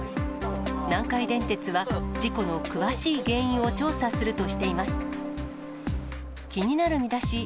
南海電鉄は、事故の詳しい原因を調査するとしています。